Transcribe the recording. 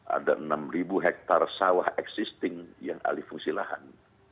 ada enam hektare sawah existing yang alih fungsi lahan